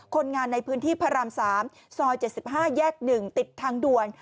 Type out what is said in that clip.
คนงานในพื้นที่พระรามสามซอยเจ็ดสิบห้าแยกหนึ่งติดทางด่วน